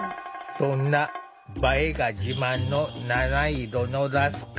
そんな映えが自慢の七色のラスク。